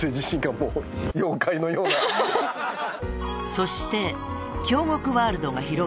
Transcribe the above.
［そして］